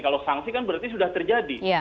kalau sanksi kan berarti sudah terjadi